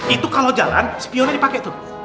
itu kalau jalan spionnya dipake tuh